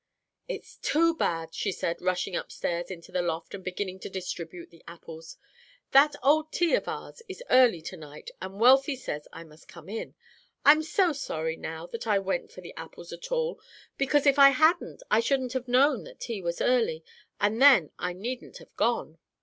"It's too bad," she said, rushing upstairs into the loft and beginning to distribute the apples. "That old tea of ours is early to night, and Wealthy says I must come in. I'm so sorry now that I went for the apples at all, because if I hadn't I shouldn't have known that tea was early, and then I needn't have gone!